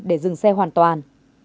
để dừng xe hoàn toàn